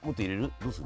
どうする？